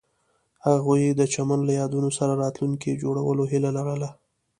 هغوی د چمن له یادونو سره راتلونکی جوړولو هیله لرله.